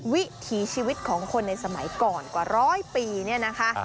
วิถีชีวิตของคนในสมัยก่อนกว่าร้อยปีเนี่ยนะคะ